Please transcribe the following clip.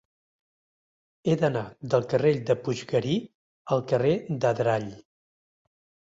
He d'anar del carrer de Puiggarí al carrer d'Adrall.